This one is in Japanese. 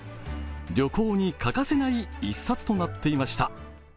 旅行に欠かせない一冊となっていました。